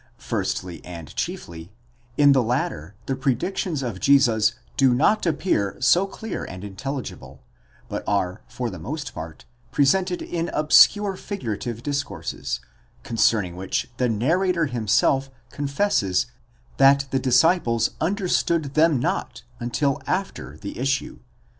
Firstly and chiefly, in the latter the predictions of Jesus do not appear so clear and intelligible, but are for the most part presented in obscure figurative discourses, concerning which the narrator himself confesses that the disciples understood them not until after the issue (ii.